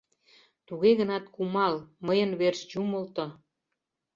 Туге гынат кумал, мыйын верч юмылто.